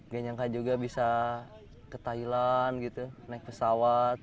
gak nyangka juga bisa ke thailand gitu naik pesawat